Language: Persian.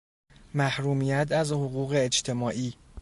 محرومیت از حقوق اجتماعی